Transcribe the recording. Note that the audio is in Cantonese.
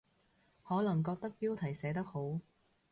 可能覺得標題寫得好